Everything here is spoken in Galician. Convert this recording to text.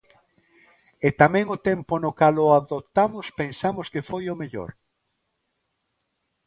E tamén o tempo no cal o adoptamos pensamos que foi o mellor.